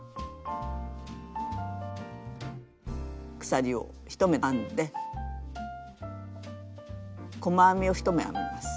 鎖を１目編んで細編みを１目編みます。